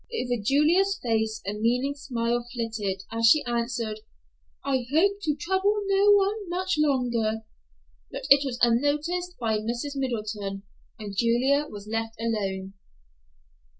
Over Julia's face a meaning smile flitted as she answered, "I hope to trouble no one much longer," but it was unnoticed by Mrs. Middleton, and Julia was left alone.